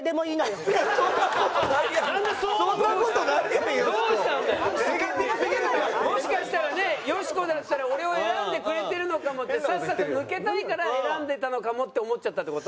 よしこだったら俺を選んでくれてるのかもってさっさと抜けたいから選んでたのかもって思っちゃったって事？